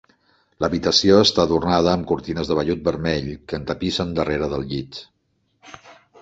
L'habitació està adornada amb cortines de vellut vermell, que entapissen darrere del llit.